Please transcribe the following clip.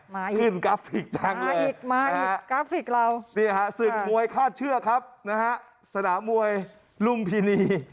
มาขึ้นกราฟฟิกจังเลยนะฮะสึกมวยฆาตเชื่อครับนะฮะสนามวยรุ่มพินี